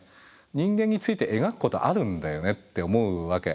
人間について描くことあるんだよねって思うわけ。